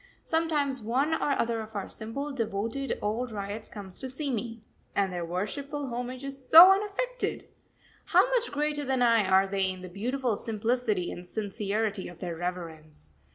Sometimes one or other of our simple, devoted, old ryots comes to see me and their worshipful homage is so unaffected! How much greater than I are they in the beautiful simplicity and sincerity of their reverence.